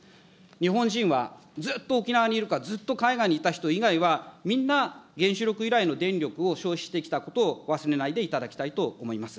日本人は、ずっと沖縄にいるかずっと海外にいた人以外はみんな原子力由来の電力を消費してきたことを忘れないでいただきたいと思います。